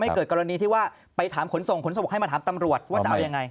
เกิดกรณีที่ว่าไปถามขนส่งขนส่งให้มาถามตำรวจว่าจะเอายังไง